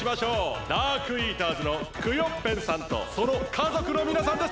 ダークイーターズのクヨッペンさんとその家族のみなさんです。